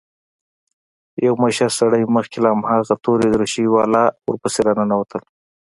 يو مشر سړى مخکې او هماغه تورې دريشۍ والا ورپسې راننوتل.